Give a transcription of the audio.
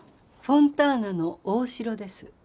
フォンターナの大城です。